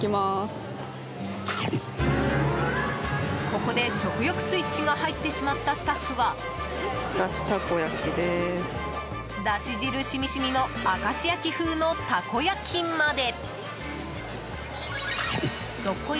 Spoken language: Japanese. ここで、食欲スイッチが入ってしまったスタッフはだし汁しみしみの明石焼き風のたこ焼きまで。